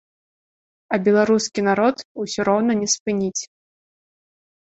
А беларускі народ усё роўна не спыніць.